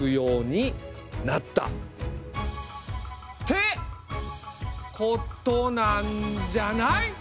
てことなんじゃない？